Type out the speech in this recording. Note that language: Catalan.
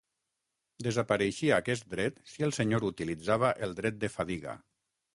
Desapareixia aquest dret si el senyor utilitzava el dret de fadiga.